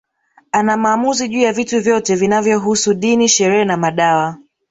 Ana maamuzi juu ya vitu vyote vinavyohusu dini sherehe na madawa